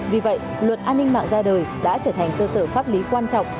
vì vậy luật an ninh mạng ra đời đã trở thành cơ sở pháp lý quan trọng